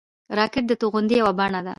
راکټ د توغندیو یوه بڼه ده